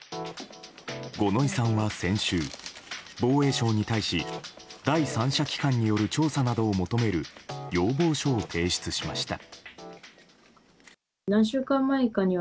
五ノ井さんは先週、防衛省に対し第三者機関による調査などを求める要望書を提出しました。